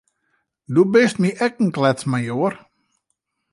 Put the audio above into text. Do bist my ek in kletsmajoar.